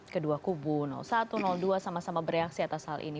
kedua kubu satu dua sama sama bereaksi atas hal ini